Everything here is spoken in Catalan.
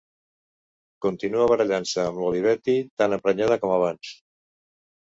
Continua barallant-se amb l'Olivetti tan emprenyada com abans.